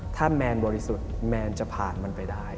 ถ้าแมนบริสุทธิ์แมนจะผ่านมันไปได้